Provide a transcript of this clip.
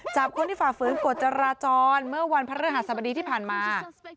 จับคนที่ฝ่าฝืนกฎจราจรเมื่อวันพระฤหัสบดีที่ผ่านมา